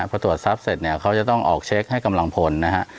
พอตรวจทรัพย์เสร็จเนี่ยเขาจะต้องออกเช็คให้กำลังพลนะฮะ